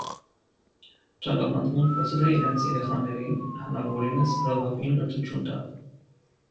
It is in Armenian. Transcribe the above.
Ջագաբանդհուն փորձել է իրենց երեխաներին հնարավորինս լավագույն կրթություն տալ։